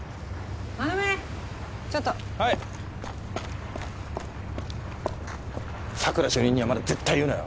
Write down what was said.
馬目ちょっとはい佐久良主任にはまだ絶対言うなよ